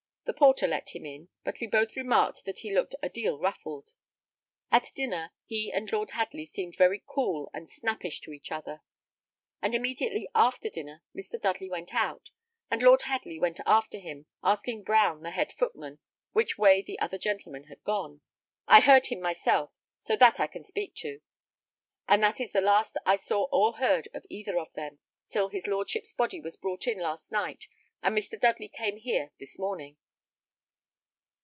The porter let him in, but we both remarked that he looked a deal ruffled. At dinner, he and Lord Hadley seemed very cool and snappish to each other; and immediately after dinner Mr. Dudley went out, and Lord Hadley went after him, asking Brown, the head footman, which way the other gentleman had gone. I heard him myself, so that I can speak to; and that is the last I saw or heard of either of them, till his lordship's body was brought in last night, and Mr. Dudley came here this morning."